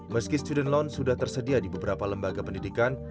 meski student loan sudah tersedia di beberapa lembaga pendidikan